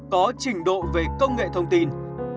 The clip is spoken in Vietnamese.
có trình độ về công nghệ thông tin